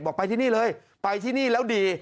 ไปที่นี่เลยไปที่นี่แล้วดี